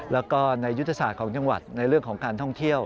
แล้วก็ในยุทธศาสตร์ของจังหวัดในเรื่องของการท่องเที่ยว